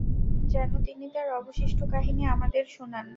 যেন তিনি তার অবশিষ্ট কাহিনী আমাদের শুনান।